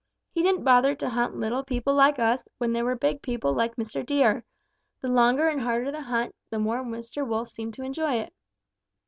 He didn't bother to hunt little people like us when there were big people like Mr. Deer. The longer and harder the hunt, the more Mr. Wolf seemed to enjoy it.